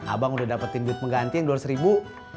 abang udah dapetin duit pengganti yang dua ratus ribu